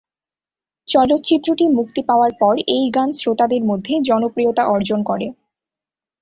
চলচ্চিত্রটি মুক্তি পাওয়ার পর এই গান শ্রোতাদের মধ্যে জনপ্রিয়তা অর্জন করে।